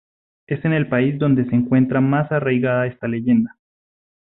Es en el país donde se encuentra más arraigada esta leyenda.